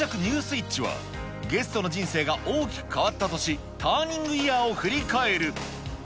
イッチはゲストの人生が大きく変わった年、ターニングイヤーを振り返る。